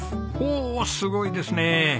おおすごいですね！